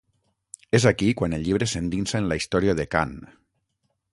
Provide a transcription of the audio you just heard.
És aquí quan el llibre s'endinsa en la història de Khan.